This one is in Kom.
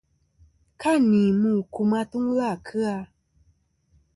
Ka ni mu kum atuŋlɨ à kɨ-a.